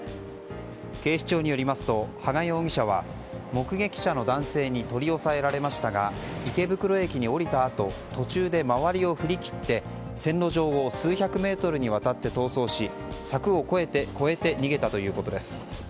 警視庁によりますと羽賀容疑者は目撃者の男性に取り押さえられましたが池袋駅に降りたあと途中で周りを振り切って線路上を数百メートルにわたって逃走し柵を越えて逃げたということです。